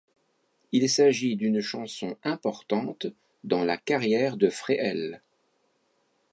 Il s'agit d'une chanson importante dans la carrière de Fréhel.